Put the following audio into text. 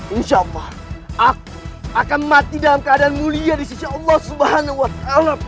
insya allah aku akan mati dalam keadaan mulia di sisi allah swt